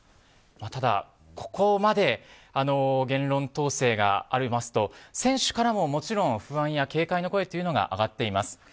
ただ、ここまで言論統制がありますと選手からももちろん不安や警戒の声が上がっています。